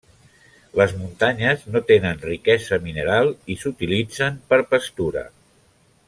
Les muntanyes no tenen riquesa mineral i s'utilitzen per pastura.